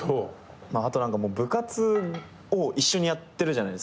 あと何か部活を一緒にやってるじゃないですか。